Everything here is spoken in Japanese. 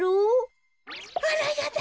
あらやだ。